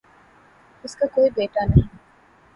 اس کا کوئی بیٹا نہیں